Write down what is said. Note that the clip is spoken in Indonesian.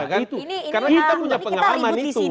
karena kita punya pengalaman itu